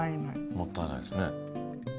もったいないですね。